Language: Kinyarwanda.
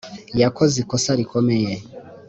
yakoze ikosa rikomeye